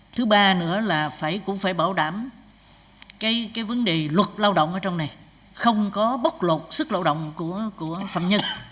thứ ba nữa là cũng phải bảo đảm cái vấn đề luật lao động ở trong này